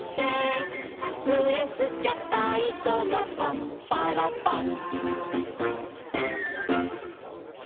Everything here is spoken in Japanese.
「ふえふきゃたいこがパンパラパン」